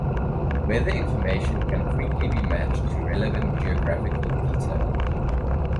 Weather information can quickly be matched to relevant geographical detail.